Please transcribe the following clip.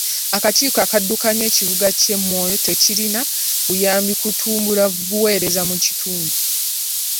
Akakiiko akaddukanya ekibuga ky'e Moyo tekirina buyambi kutumbula buweereza mu kitundu.